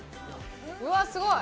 うわっすごい。